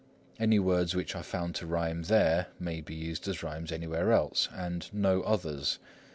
Any words which are found to rhyme there may be used as rhymes anywhere else, and no others.